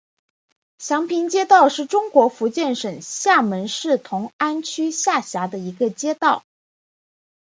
祥平街道是中国福建省厦门市同安区下辖的一个街道。